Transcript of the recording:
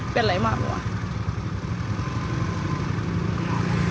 เป็นอะไรมากเหรอว่ะ